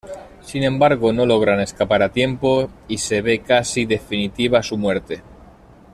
Sin embargo, no logran escapar a tiempo y se ve casi definitiva su muerte.